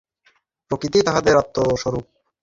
সমুদয় প্রকৃতিই তাঁহাদের আত্মস্বরূপ হইয়া গিয়াছে।